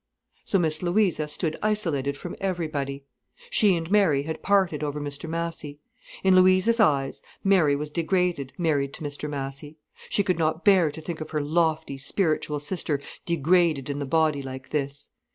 So Miss Louisa stood isolated from everybody. She and Mary had parted over Mr Massy. In Louisa's eyes, Mary was degraded, married to Mr Massy. She could not bear to think of her lofty, spiritual sister degraded in the body like this.